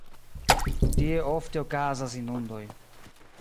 Tie ofte okazas inundoj.